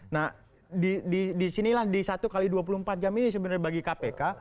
nah disinilah di satu x dua puluh empat jam ini sebenarnya bagi kpk